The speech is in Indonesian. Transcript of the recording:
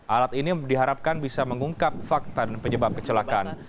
alat ini diharapkan bisa mengungkap fakta dan penyebab kecelakaan